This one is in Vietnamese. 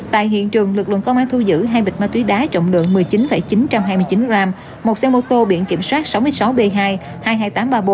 tại hiện trường lực lượng công an thu giữ hai bịch ma túy đá trọng lượng một mươi chín chín trăm hai mươi chín g một xe mô tô biển kiểm soát sáu mươi sáu b hai hai mươi hai nghìn tám trăm ba mươi bốn